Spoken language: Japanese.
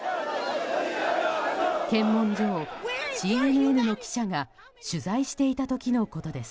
検問所をＣＮＮの記者が取材していた時のことです。